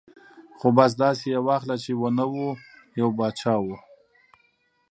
ـ خو بس داسې یې واخله چې و نه و ، یو باچا و.